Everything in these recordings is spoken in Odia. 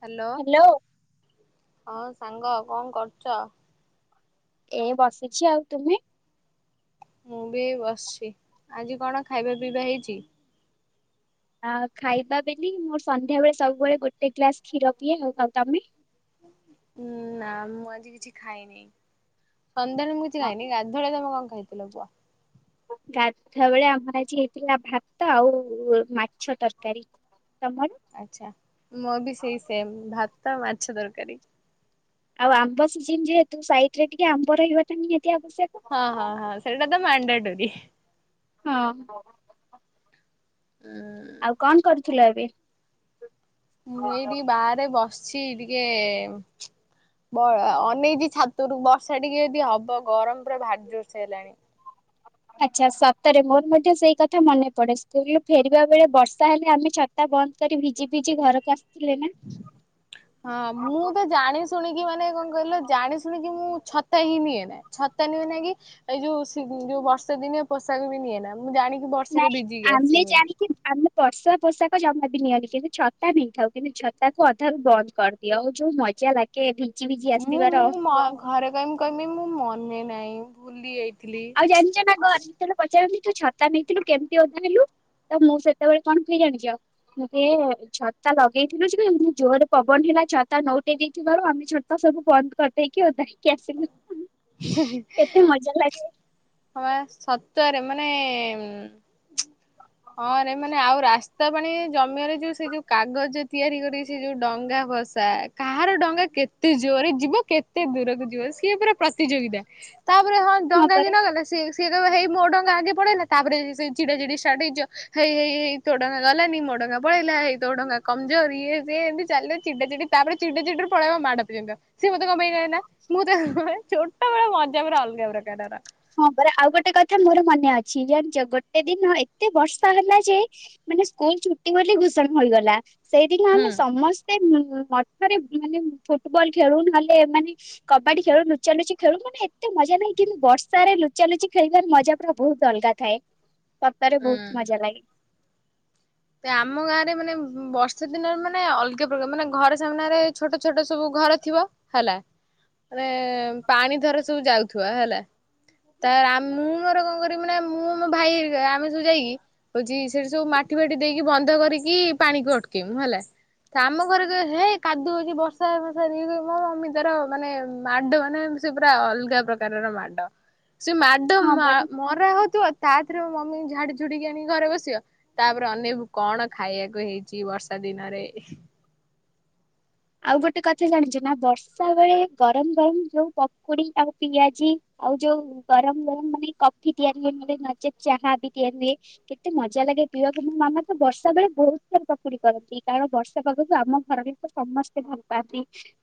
ହାଲୋ ହ୍ୟାଲୋ ହଁ ସାଙ୍ଗ କଣ କରୁଚ? ଏ ବସିଛି ଆଉ ତୁମେ? ମୁଁ ବି ବସିଛି ଆଜି କଣ ଖାଇବା ପିଇବା ହେଇଚି? ଆ ଖାଇବା ବେଲି ମୋର ସନ୍ଧ୍ୟା ବେଳେ ସବୁବେଳେ ଗୋଟେ ଗ୍ଲାସ କ୍ଷୀର ପିଏ। [unintelligible] ତମେ? ଉଁ ନା ମୁଁ ଆଜି କିଛି ଖାଇନି। ସନ୍ଧ୍ୟାବେଳେ ମୁଁ କିଛି ଖାଇନି ଗାଧୁଆଳେ ତମେ କଣ ଖାଇଥିଲ କୁଅ? ଗାଧୁଆବେଳେ ଆମର ଆଜି ହେଇଥିଲା ଭାତ ଆଉ ମାଛ ତରକାରୀ। ତମର? ଆଚ୍ଛା ମୋର ବି ସେଇ ସେମ୍ ଭାତ ମାଛ ତରକାରୀ। ଆଉ ଆମ୍ବ ସିଜନ ଯେହେତୁ ସାଇଟ୍ ରେ ଟିକେ ଆମ୍ବ ରହିବାଟା ନିହା ହଁ ହଁ ହଁ ସେଇଟା ତ ମାଣ୍ଡଟୋରିି। ହଁ। ଆଉ କଣ କରୁଥିଲ ଏବେ? ମୁଁ ଏଇଟି ବାହାରେ ବସିଛି ଟିକେ ବ ଅନେଇଚି ଛାତରୁ ବର୍ଷା ଟିକେ ଯଦି ହବ ଗରମ ପୁରା ଭାରି ଜୋରସ ହେଲାଣି। ଆଚ୍ଛା ସତରେ ମୋର ମଧ୍ୟ ସେଇ କଥା ମନେ ପଡେ ସ୍କୁଲ ରୁ ଫେରିବା ବେଳେ ବର୍ଷା ହେଲେ ଆମେ ଛତା ବନ୍ଦ କରି ଭିଜି ଭିଜି ଘରକୁ ଆ ହଁ ମୁଁ ତ ଜାଣି ଶୁଣିକି ମାନେ କଣ କଇଲ ଜାଣି ଶୁଣିକି ମୁଁ ଛତା ହିଁ ନିଏ ନା ଛତା ନୁଏ ନା କି ଏଇ ଯୋଉ ସି ଯୋଉ ବର୍ଷା ଦିନିଆ ପୋଷାକ ବି ନିଏ ନା। ମୁଁ ଜାଣିକି ବର୍ଷାରେ ନାଇଁ ଭିଜିକି ଆମେ ଆସିିମି ବୋଲି। ଜାଣିକି ଆମେ ବର୍ଷା ପୋଷାକ ଜମା ବି ନିଅନି କିନ୍ତୁ ଛତା ନଇଥାଉ କିନ୍ତୁ ଛତାକୁ ଅଧାରୁ ବନ୍ଦ କରିଦିଅ ଆଉ ଯୋଉ ମ ଜା ଲାଗ ହିଁ। ମୁଁ ମୁଁ ମ ଘରେ କଇମି କଇମି ମୁଁ ମନେ ନାଇଁ। ଆଉ ଜାଣିଚ ନା ଘର ଯେତବେଳେ ପଚାରନ୍ତି ତୁ ଛତା ନେଇଥିଲୁ କେମିତି ଓଧା ହେଲୁ ତ ମୁଁ ସେତବେଳେ କଣ କୁଏ ଜାଣିଚ ମୁଁ କୁଏ ଛ ତା ଲଗେଇଥିଲୁ ଯେ ଏମିତି ଜୋରରେ ପବନ ହେଲା ଛତା ନଉଟେଇ ଦେଇଥିବାରୁ ଆମେ ଛତା ସବୁ ବନ୍ଦ କରିଦେଇକି ଓଦା ହେଇକି ଆସିଲୁ। ହିଁ ହିଁ କେତେ ମଜା ଲାଗେ ହଁ ପା ସତରେ ମାନେ ହଁ ରେ ମାନେ ଆଉ ରାସ୍ ସ୍ତା ପାଣି ଜମିଅରେ ଯୋଉ ସେ ଯୋଉ କାଗଜ ତିଆରି କରି ସେ ଯୋଉ ଡଙ୍ଗା ଭସା କାହାର ଡଙ୍ଗା କେତେ ଜୋରରେ ଯିବ କେତେ ଦୂରକୁ ଯିବ ସିଏ ପୁରା ପ୍ରତିଯୋଗିତା। ତାପରେ ହଁ ଡଙ୍ଗା ଦିନ ଗଲେ। ସିଏ କହିବ ହେଇ ମୋର ଡଙ୍ଗା ଆଗେ ପଳେଇଲା ତାପରେ ସେ ଚିଡା ଚିଡି ଷ୍ଟାର୍ଟ ହେଇଯିବ ହେଇ ହେଇ ହେଇ ତୋ ଡଙ୍ଗା ଗଲାନି। ଡଙ୍ଗା ପଳେଇଲା ହେଇ ତୋ ଡ଼ଙ୍ଗା କମଜୋର ଇଏ ସିଏ ଏମିତି ଚାଲିବ ଚିଡା ଚିଡି ତାପରେ ଚିଡା ଚିଡିରୁ ପଳେଇବା ମାଡ଼ ପଯ୍ୟନ୍ତ ସିଏ ମତେ କଣ ପାଇଁ କହିଁଲା ମୁଁ ତ ଛୋଟବେଳେ ମଜା ପୁରା ଅଲଗା ପ୍ରକାରର। ହଁ ପରା ଆଉ ଗୋଟେ କଥା ମୋର ମନେ ଅଛି ଜାଣିଛ ଗୋଟେ ଦିନ ଏତେ ବର୍ଷା ହେଲା ଯେ ମାନେ ସ୍କୁଲ ଛୁଟି ବୋଲି ଘୋଷଣା ହୋଇଗଲା ସେଇଦିନ ହୁଁ ଆମେ ସମସ୍ତେ ଉଁ ମଠରେ ମାନେ ଫୁଟବଲ ଖେଳୁ ନହେଲେ ମାନେ କବାଡି ଖେଳୁ ଲୁଚା ଲୁଚି ଖେଳୁ ମାନେ ଏତେ ମଜା ନାଇ କିନ୍ତୁ ବର୍ଷ ସାରେ ଲୁଚାଲୁଚି ଖେଳିବାର ମଜା ପୁରା ବହୁତ ଅଲଗା ଥାଏ ସତରେ ହୁଁ। ବହୁତ ମଜା ଲାଗେ। ତ ଆମ ଗାଁରେ ମାନେ ବର୍ଷା ଦିନରେ ମାନେ ଅଲଗା ପ୍ରକାର ମାନେ ଘର ସାମ୍ନାରେ ଛୋଟ ଛୋଟ ସବୁ ଘର ଥିବ ହେଲା ମାନେ ପାଣି ଧର ସବୁ ଯାଉଥିବ ହେଲା। ତାପରେ ମୁଁ ମୋର କଣ କରିବି ନା ମୁଁ ମୋ ଭାଇ ଆମେ ସବୁ ଯାଇକି ହଉଛି ସେଠି ସବୁ ମା ବାଟି ଦେଇକି ବନ୍ଦ କରିକି ପାଣିକୁ ଅଟକେଇମୁ ହେଲା। ଆମ ଘରେ ହେଇ କାଦୁଅ ହଉଛି ବର୍ଷା ବର୍ଷା [unintelligible] ମୋ ମମି ତାର ମାନେ ମାଡ ମାନେ ସେ ପୁରା ଅଲଗା ପ୍ରକାରର ମାଡ ସେ ମାଡ଼ ହଁ ପରା। ମା-ମରା ହଉଥିବ ତାଥିରେ ମମି ଝାଡି ଝୁଡିକି ଆଣିକି ଘରେ ବସିବ। ତାପରେ ଅନେକ କଣ ଖାଇବାକୁ ହେଇଛି ବର୍ଷା ଦିନରେ ଆଉ ଗୋଟେ କଥା ଜାଣିଛୁ ନା ବର୍ଷା ବେଳେ ଗରମ ଗରମ ଯୋଉ ପକୁଡି ଆଉ ପିଆଜି। ଆଉ ଯୋଉ ଗରମ ଗରମ ମାନେ କଫି ତିଆରି ହୁଏ ମାନେ ନଚେତ୍ ଚାହା ବି ତିଆରି ହୁଏ କେତେ ମଜା ଲାଗେ। ପିଇବାକୁ ମୋ ମାମା ତ ବର୍ଷା ବେ ବହୁତ ସାରା ପକୁଡି କରନ୍ତି କାରଣ ବର୍ଷା ପାଗକୁ ଆମ ଘର ସମସ୍ତେ ଭଲ ପାଆନ୍ତି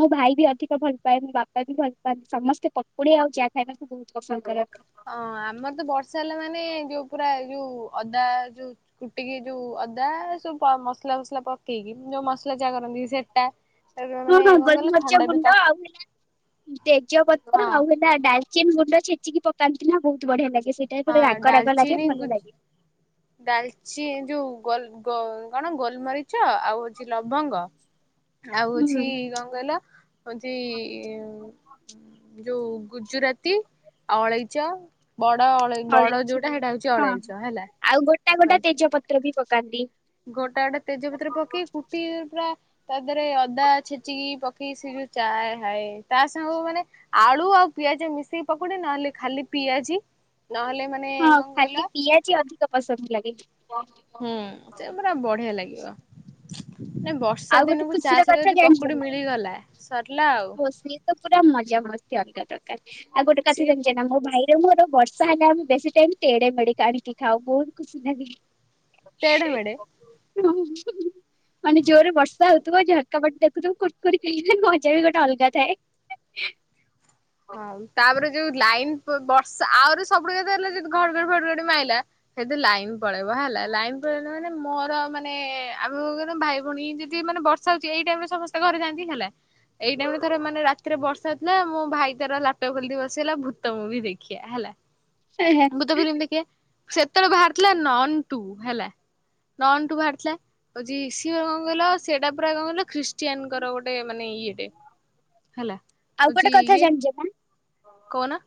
ମୋ ଭାଇ ବି ଅଧିକ ଭଲ ପାଆନ୍ତି ବାପା ବି ଭଲ ପାଆନ୍ତି ସମସ୍ତେ ପକୁଡି ଆଉ ଚା ଖାଇବାକୁ ବହୁତ ପସନ୍ଦ କରନ୍ତି। ଅଁ ଆମର ତ ବର୍ଷା ହେଲା ମାନେ ଯୋଉ ପୁରା ଯୋଉ ଅଦା ଯୋଉ କୁଟିକି ଯୋଉ ଅଦା ସବୁ ମସଲା ଫସଲା ପକେଇକି ଯୋଉ ମସଲା ଯାହା କରନ୍ତି ସେଟା ତାପରେ ହୁଁ ମାନେ ହଁ କଣ କହିଲ ଗୋଲମରିଚ ଥଣ୍ଡା ବି ଗୁଣ୍ଡ କାଟ ଆଉ ହେଲା ତେଜପତ୍ର ହଁ ଆଉ ହେଲା ଡାଲ ଡାଲଚିନ ଗୁଣ୍ଡ ଛେଚିକି ପକାନ୍ତି ନା ବହୁତ ବଢିଆ ଲାଗେ ସେଇଟା ଗୋଟେ ହଁ ରାଗ ରାଗ ଲାଗେ ଡାଲଚିନି ଭଲ ଲାଗେ। ଡାଲଚି ଯୋଉ ଗୋଲ ଗୋ କଣ ଗୋଲମରିଚ ଆଉ ହଉଛି ଲବଙ୍ଗ ଆଉ ହୁଁ। ହଉଛି କଣ କହିଲ ହଉଛି ଯୋଉ ଗୁଜୁରାତି ଅଳଇଚ। ବଡ ଅଳେଇ ବଡ ଫଳେଇଛି ଯୋଉଟା ସେଇଟା ହଉଛି ହଁ ହଁ ଅଳେଇଚ ହେଲା। ଆଉ ଗୋଟା ଗୋଟା ହଉଛି ତେଜ ପତ୍ର ବି ପକାନ୍ତି। ଗୋଟା ଗୋଟେ ତେଜପତ୍ର ପକେଇ କୁଟି ତା ଦେହରେ ଅଦା ଛେଚିକି ପକେଇ ସେ ଯୋଉ ଚା ହାଏ ତା ସାଙ୍ଗ ମାନେ ଆଳୁ ତୁ ଆଉ ପିଆଜ ମିଶେଇି ପକୁଡି ନହେଲେ ଖାଲି ପିଆଜି ନହେଲେ ମାନେ ହଁ କଣ କହିଲ ଖାଲି ପିଆଜି ଅଧିକ ପସନ୍ଦ ଲାଗେ। ହୁଁ ସେ ପୁରା ବଢିଆ ଲାଗିବ। ମାନେ ବର୍ଷା ଆଉ ଗୋଟେ ଦିନକୁ ଚା ଖୁସିର ସହିତ କଥା ଯଦି ପକୁଡି ଜାଣିଛନା ମିଳିଗଲା ସରିଲା ଆଉ ମୋ ସିଏ ତ ପୁରା ମଜା। ସମସ୍ତେ ଅଲଗା ଦରକାର ଆଉ ଗୋଟେ କଥା ସିଏ ଜାଣିଛନା ମୋ ଭାଇରେ ମୋର ବ ସହାନ ଆମେ ବେସି ଟାଇମ ଟେଡେ ଆଣିକି ଖାଉ ବହୁତ ଖୁସି ନାଗେ। ତେଡେମେଡ଼େ। [unintelligible] ମାନେ ଜୋରରେ ବର୍ଷା ହଉଥିବ ଝରକା ବାଟେ ଦେଖୁଥିବ ମଜା ବି ଗୋଟେ ଅଲଗା ଥାଏ। ହ ହଁ ତାପରେ ଯୋଉ ଲାଇନ୍ ପ ବର୍ଷା ଆହୁରି ସବୁଠୁ [unintelligible] ଯଦି ଘଡଘଡି ଫଡଗଡି ମାଇଲା ସେଦି ଲାଇନ ପଳେଇବ ହେଲା। ଲାଇନ ପଳେଇବ ମାନେ ମୋର ମାନେ ଆମ ଭାଇ ଭଉଣୀ ଯଦି ମାନେ ବର୍ଷା ହଉଛି ଏଇ ଟାଇମରେ ସମସ୍ତେ ଘରେ ଯାଆନ୍ତି ହେଲା ଏଇ ଟାଇମରେ ଥରେ ମାନେ ରାତିରେ ବର୍ଷା ଥିଲା ମୁଁ ଭାଇ ତାର ଲାପଟପ ଖୋଲଦେଇ ବସିଲା ଭୂତ ମୁଭି ଦେଖିଆ ହେଲା। ଏହେ। ଭୂତ ଫିଲ୍ମ ଦେଖିବା ସେତେବେଳେ ବାହାରିଥିଲା ନନ ଟୁ ହେଲା। ଡନ ଟୁ ବାହାରଥିଲା ଆଉ ସିଏ କଣ କହିଲ ସେଇଟା ପୁରା କଣ କହିଲ ଖ୍ରୀଷ୍ଟିୟନଙ୍କର ଗୋଟେ ମାନେ ୟେଟେ ହେଲା। ଆଉ ଗୋଟେ କଥା ଜାଣିଚ ନା? କଉନ?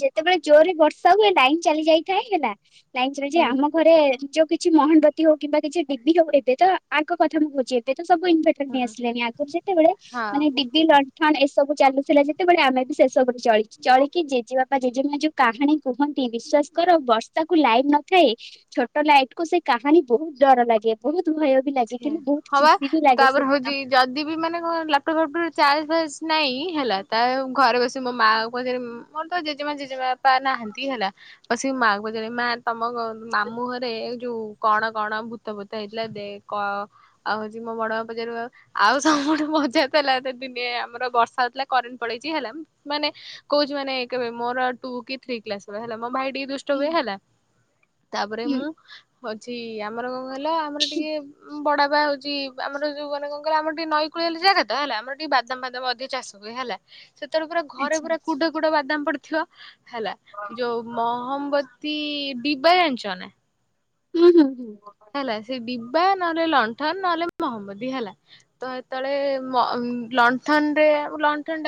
ଯେତେବେଳେ ଜୋର ରେ ବର୍ଷା ହୁଏ ଲାଇନ୍ ଚାଲି ଯାଇଥାଏ ହେଲା, ଲାଇନ ଚାଲିଯାଇଏ ହୁଁ ଆମ ଘରେ ଯୋଉ କିଛି ମହାନବୀ ହଉ କିମ୍ବା କିଛି ଡିିବି ହଉ ଏବେ ତ ଆର୍ଙ୍କ କଥା ମୁଁ ବୁଝି ଏବେ ସବୁ ଇଁଭର୍ଟର ନେଇ ହୁଁ ଆସିଲେଣି ଆଗରୁ ଯେତେବେଳେ ହଁ ମାନେ ଡିବି ଲଣ୍ଠନ ସବୁ ଚାଲୁଥିଲା ଯେତେବେଳେ ଆମେ ବି ସେ ସବୁରେ ଚ ଚଳିକି ଜେଜେ ବାପ ଜେଜେମାଆ ଯୋଉ କାହାଣୀ କୁହନ୍ତି ବିଶ୍ୱ ଖାସ୍ କର ବର୍ଷା କୁ ଲାଇଟ ନଥାଏ ଛୋଟ ଲାଇଟ କୁ ସେ କାହାଣୀ ବହୁତ ଡର ଲାଗେ ବହୁତ ଭୟ ବି ଲାଗେ ଆଚ୍ଛା କିନ୍ତୁ ବହୁତ ହବା ଖୁସି ବି ଲାଗେ ତାପରେ ସେଦିନ। ହଉଛି ଯଦି ବି ମାନେ କଣ ଲାପଟପ୍ ଫାପଟପ ଚାର୍ଜ ଫାର୍ଜ ନହିଁ ହେଲା ତା ଘରେ ବସି ମୋ ମା କ ମୋର ତ ଜେଜେମା ଜେଜେମାପା ନାହାନ୍ତି ହେଲା। ଆ ସେ ମାଆଙ୍କୁ ପଚାରି ମା ତମ ଗ ମାମୁଁରେ ଯଉ କଣ କଣ ଭୂତ ଭୂତ ହେଇଥିଲା ଦେ କ ଆଉ ହଉଛି ମୋ ବଡଗଁ ପଜାର ଆଉ ଆଉ ସବୁ ଗଠେ ମଜା ଥିଲା ଏ ଦିନେ ଆମର ବର୍ଷା ହଉଥିଲା, କରେଣ୍ଟ ପଳେଇଛି ହେଲା, କହୁଚୁ ମାନେ କେବେ ମୋର ଟୁ କି ଥ୍ରି ଥ୍ରୀ କକ୍ଲାସ୍ ର ଜଣେ ହେଲା ମୋ ଭାଇ ଟିକେ ଦୁଷ୍ଟ ହୁଁ ହୁଏ ହେଲା ତାପରେ ହୁଁ ମୁଁ ହଉଚି ଆମ ଆମର କଣ କହିଲ ଆମର ଟିକେ ବଡା ବା ହଉଚି ଆମର ଯୋଉ ମାନେ କଣ କହିଲ ଆମର ଟିକେ ନଈ କୂଳିଆ ଯାଗା ତ ହେଲା ଆମର ଟିକେ ବାଦାମ ଫାଦାମ ଅଧିକ ଚାଷ ହୁଏ। ହେଲା। ସେତବେଳକୁ ପୁରା ଘରେ ଆଚ୍ଛା ପୁରା କୁଡ କୁଡ଼ା ବାଦାମ ପଡିଥିବ। ହେଲା ଯୋଉ ମହମବତୀ ବିବା ଜାଣିଚ ନା? ହୁଁ ହୁଁ ହୁଁ। ହେଲା ସେ ଵିବା ନହେଲେ ଲଣ୍ଟ ହଁ ନହେଲେ ମହମବତି ହେଲା ତ ସେତେବେଳେ ମହ ଲନ୍ଠନରେ ଲନ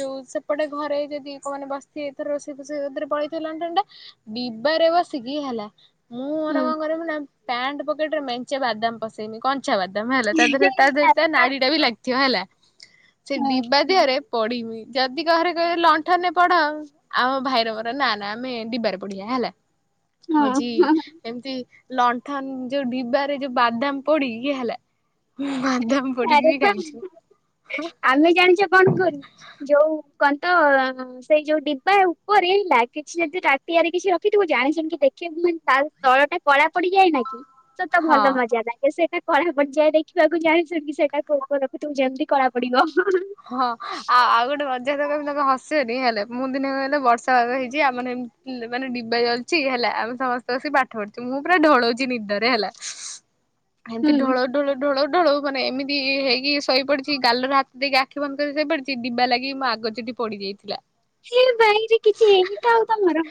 ଯୋଉ ସେପଟେ ଘରେ ଯଦି କଉ ମାନେ ବସିଥିବେ ଏଥର ରୋଷେଇ ଫୋଷେଇରେ ପଳେଇଥିବ ଲଣ୍ଠନ ଟା ଡିବାରେ ବସିିକି ହେଲା ମୁଁ ମୋର କଣ କରରେ ନା ପ୍ୟାଣ୍ଟ ପକେଟରେ ମେଞ୍ଚେ ବାଦାମ ପସେଇବି କ ପଚା ବାଦାମ ହେଲା ତା ହୁଁ ଦେହରେ ତା ଦେହରେ ତା ଆରେ ବା ନାଡିଟା ବି ଲାଗିଥିବ ହେଲା ସେ ହୁଁ ଡିବା ଦେହରେ ପଢିବି ଯଦି ଘରେ କହିବେ ଲଣ୍ଠନରେ ପଢ ଆମ ଭାଇର ମୋର ନା ନା ଆମେ ଡିବାରେ ପଢିବା। ହେଲା ହଁ ହଉଚି ହଁ। ଏମତି ଲ ଯୋଉ ଡିବାରେ ଯୋଉ ବାଦାମ ପଡି ଇଏ ହେଲା ବାଦାମ ପୋଡିକି ଆରେ ବି ବା ଖାଇଛୁ ଆମେ ଜାଣିଚ କଣ କରୁ ଯୋଉ କଣ ତ ସେଇ ଯୋଉ ଡିବା ଉପରେ ହେଲା କିଛି ଯଦି ତାଟିଆ ରେ କିଛି ରଖି ଥିବୁ ଜାଣିଶୁଣି କି ଦେଖେଇ [unintelligible] ତା ତଳ ଟା କଳା ପଡିଯାଏ ନାଇ କି ତତ ହଁ। ଭଲ ମଜା ଲେ ସେଇଟା କଳା ପଡିଯାଏ ଦେଖି ତାକୁ ଜାଣିଶୁଣି କି ସେଇଟା କୁ ଅଗରେ ରଖିଥିବୁ ଯେମିତି କଳା ପଡିବ। ହଁ ଆଉ ଆଉ ଗୋଟେ ମଜା କଥା କହିବି ତମକୁ ହସିବନି ହେଲା। ମୁଁ ଦିନେ କହିଲେ ବର୍ଷା ପାଗ ହେଇଚି ଆମର ଏମତି ମାନେ ଡିବା ଚାଲିଚି ହେଲା ଆମେ ସମସ୍ତେ ବସିକି ପାଠ ପଢୁଚୁ। ମୁଁ ପୁରା ଢଳଉଚି ନିଦାରେ ହେଲା। ଏମିତି ହୁଁ ଢଳଉ ଢଳଉ ଢଳଉ ଢୋଳଉ ମାନେ ଏମିତି ହେଇକି ସହି ପଡିଚି ଗାଲର ହାତ ଦେଇକା ଆଖି ବନ୍ଦ କରିକି ଶୋଇ ପଡିଚି ଡିବା ଲାଗି ମୋ ଆଗ ଚୁଟି ପୋଡିଯାଇଥିଲା। ସେ ବାଇରେ କିଛି ଏମିତି ଆଉ ତମର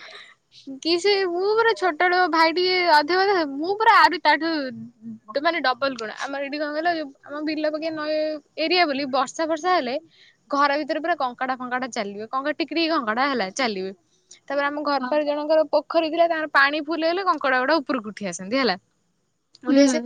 କି ସେ ମୁଁ ପୁରା ଛୋଟବେଳୁ ଭାଇ ଟିକେ ଅଧିକ ମୁଁ ପୁରା ଆଠୁ ତାଠୁ ମାନେ ଡବଲ ଗୁଣ ଆମର ଏଇଠି କଣ କହଲେ ଯଉ ଆମ ବିଲ ପାଖେ ନଇ ଏରିଆ ବୋଲି ବର୍ଷା ବର୍ଷା ବର୍ଷା ହେଲେ ଘର ଭିତରେ ପୁରା କଙ୍କଡା ଫଙ୍କଡା ଚାଲିବ କଙ୍କଡ଼ା ଟିକ ଟିକି କଙ୍କଡା ହେଲା ଚାଲିବେ। ତାପରେ ଆମ ଘର ପାଖ ଜଣଙ୍କର ପୋଖ ରୀ ଥିଲା ତାଙ୍କର ପାଣି ଫୁଲ ହେଲେ କଙ୍କଡ଼ା ଗୁଡା ଉପରକୁ ଉଠି ଆସନ୍ତି ହେଲା। ଗେସେ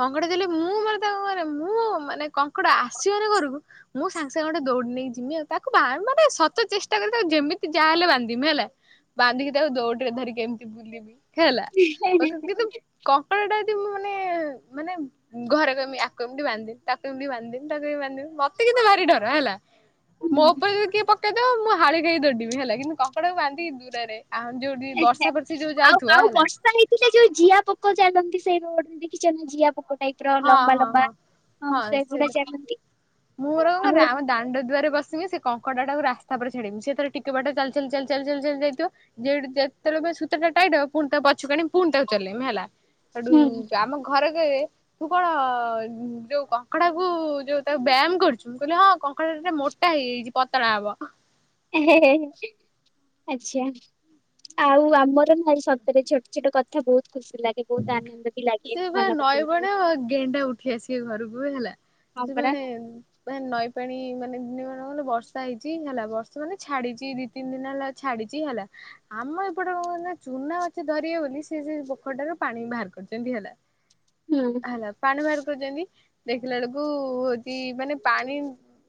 କଙ୍କଡ଼ା ଦେଲେ ମୁଁ ମାନେ ତାକୁ ରେ ମୁଁ ମାନେ କଙ୍କଡ଼ା ଆସିବନି ଘରକୁ ମୁଁ ସାଙ୍ଗେ ସାଙ୍ଗେ ଗୋଟେ ଦୌଡି ନେଇ ଯିମି ଆଉ ତାକୁ ମାନେ ସତ ଚେଷ୍ଟା କଲେ ଯେମିତି ଯାହାହେଲେ ବାନ୍ଧିମି ହେଲା। [inaudible] ବାନ୍ଧିକି ତାକୁ ଦୌଡିରେ ଧରିକି ଏମିତି ବୁଲିବି ହେଲା ହୁଁ। କିନ୍ତୁ କଙ୍କଡ଼ଟା ମୁଁ ମାନେ ମାନେ ଘରେ କଇମି ଆକୁ ଏମିତି ବାନ୍ଧିିଦିଅ ତାକୁ ଏମିତି ବାନ୍ଧିଦିଅ ତାକୁ କେମି ବାନ୍ଧିବୁ ମତେ କିନ୍ତୁ ଭାରି ଡର ହେଲା ମୋ ଉପରେ ଯି କିଏ ପକେଇଦବ ମୁଁ ହାଳି ଖାଇ ଦଡଡିିବି ହେଲା କିନ୍ତୁ କପଡାକୁ ବାନ୍ଧିକି ଦୂରରେ ଆଉ ଯୋଉଠି ବର୍ଷା ବର୍ଷି ଯୋଉ ଆଉ, ଯାଉଥିବ ଆଉ ହେଲା ବର୍ଷା ହେଇଥିଲେ ଯୋଉ ଜିଆ ପୋକ ଚାଲନ୍ତି, ସେଇ ରଟ ଦେଖିଛ ନା ଜିଆ ପୋକ ଟାଇପ ର ହଁ ଲମ୍ବା ହଁ ଲମ୍ବା ହଁ ସେଗୁଡା ଚାଲନ୍ତି ମୁଁ ର କ ଆଉ ଆମ ଦାଣ୍ଡ ଦୁଆରେ ବସ ସେ କଙ୍କଡା ଟା ଟାକୁ ରାସ୍ତା ଛାଡିବି, ସେଥର ଟିକେ ବାଟ ଚାଲି ଚାଲି ଚାଲି ଚାଲି ଚାଲି ଯାଇଥିବ, ଯେତେବେଳେ ସୂତାଟା ଟାଇଟ ହବ ପୁଣି ତାକୁ ପଛୁକ ଆଣି ପୁଣି ତାକୁ ଚଲେଇମି ହେଲା, ହେଠୁ ହୁଁ ଆମ ଘରେ ମୁଁ କଣ ଯୋଉ କଙ୍କଡା କୁ ଯୋଉ, ତାକୁ ବ୍ୟାୟାମ କରୁଛିୁ, ମୁଁ କହିଲି ହଁ କଙ୍କଡାେ ମୋଟା ହେଇ ଯାଇଛି ପତଳା ହବ ଆଚ୍ଛା। ଆଉ ଆମର ନା ସତରେ ଛୋଟ ଛୋଟ କଥା ବହୁତ ଖୁସି ଲାଗେ ବହୁତ ଆନନ୍ଦ ବି ଲାଗେ ସେ ବା ମନେ ପକେଇଲେ ନଈବଣ ଆ ଗେଣ୍ଡା ଉଠି ଆସିବେ ଘରକୁ ହେଲା ହଁ ପରା ସେମାନେ ମ ନଈ ପାଣି ମାନେ ଦ ମ ଗଲେ ବର୍ଷା ହେଇଛି ହେଲା, ବର୍ଷ ମାନେ ଛାଡିଛି ଦି ତିନି ଦିନ ହେଲା ଛାଡିଛି ହେଲା ଆମ ଏପଟ ଚୁନା ମାଛ ଧରିବେ ବୋଲି, ସେ ସେ ପୋଖରୀଟାରୁ ପାଣି ବାହାର କରଛନ୍ତି ହେଲା, ହୁଁ ହେଲା, ପାଣି ବାହାର କରୁଛନ୍ତି ଦେଖିଲା ବେଳକୁ ହଉଛି ମାନେ, ପାଣି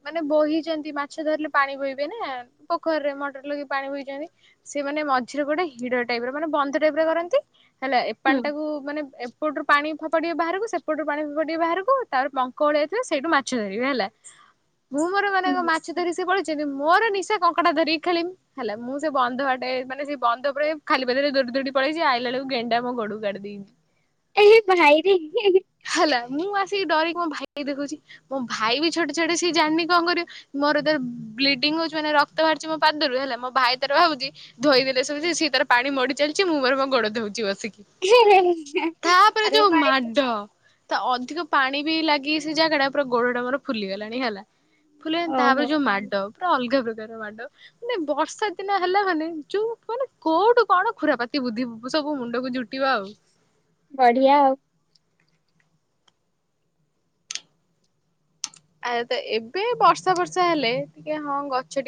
ମାନେ ବୋହିଛନ୍ତି, ମାଛ ଧରିଲେ ପାଣି ବୋହିବେ ନା ପୋଖରୀରେ ମଟର ଲଗେଇକି ପାଣି ବଇଛନ୍ତି, ସେ ମାନେ ମଝିରେ ଗୋଟେ ହିଡ ଟାଇପ, ମାନେ ବନ୍ଧ ଟାଇପ ର କରନ୍ତି ହେଲା ଏପଣି ହୁଁ ଟାକୁ ମାନେ ଏପଟରୁ ପାଣି ଫୋପାଡିବେ ଟିକେ ବାହାରକୁ, ସେପଟରୁ ପାଣି ଫୋପାଡ଼ିବେ ବାହାରକୁ, ତାପରେ ପଙ୍କ ଭଳିଆ ଥିବ ସେଇଠୁ ମାଛ ଧରିବେ ହେଲା ମୁଁ ମୋର ମାନେ ହୁଁ ମାଛ ଧରି ସ ସେ ପଳେଇ ମୋର ନିଶା କଙ୍କଟା ଧରିକି ଖେଳିମି, ହେଲା, ମୁଁ ସେ ବନ୍ଧ ଆଟେ ମାନେ ସେ ବନ୍ଧ ପରେ ଖାଲି ପାଦରେ ଦଉଡି ପଳେଇଚି, ଆଇଲା ବେଳକୁ ଗେଣ୍ଡା ମୋ ଗୋଡ଼କୁ କାଟି ଦେଇଛି ଏ ଭାଇରେ ହେଲା ହେଲା, ମୁଁ ଆସିକି ଡରିକି ମୋ ଭାଇ ଦେଖୁଛି, ମୋ ଭାଇ ବି ଛୋଟ ଛୁଆଟା ସେ ଜାଣିନି, କଣ କରିବ? ମୋର ଯେତେବେଳେ ବ୍ଲିଡିଙ୍ଗ ହଉଛି ମାନ ରକ୍ତ ବାହାରିଛି ମୋ ପାଦରୁ, ହେଲା, ମୋ ଭାଇ ତାର ଭାବୁଛି ଧୋଇ ଦେଲେ ସବୁ, ସେ ତାର ପାଣି ମଡି ଚାଲିଛି ମୁଁ ମର ମୋ ଗୋଡ ଧଉଛି ବସିକି । ଆରେ ଭାଇତ ତ ଅଧିକ ପାଣି ବି ଲାଗି ସେ ଜାଗା ଟା, ପୁରା ଗୋଡ ଟା ମୋର ଫୁଲିଗଲାଣି ହେଲା ଫୁଲି ଗଲାଣି, ତାପରେ ଓହୋ ଯୋଉ ମାଡ ପୁରା ଅଲଗା ଡ ମାନେ ବର୍ଷା ଦିନ ହେଲା ମାନେ, ଯୋଉ ମାନେ କୋଉଠୁ କଣ ଖୁରାପାତି ବୁଦ୍ଧି ସବୁ ମୁଣ୍ଡକୁ ଜୁଟିବା ଆଉ ବଢିଆ ଆଉ ଆ ତ ଏବେ ବର୍ଷା ବର୍ଷା ହେଲେ, ଟିକେ ହଁ ଗଛ ଟିକେ